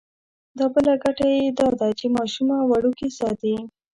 دا بله ګټه یې دا ده چې ماشومه وړوکې ساتي.